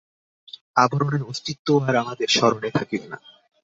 আবরণের অস্তিত্বও আর আমাদের স্মরণে থাকিবে না।